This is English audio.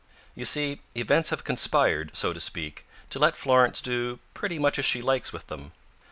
You see, events have conspired, so to speak, to let Florence do pretty much as she likes with them.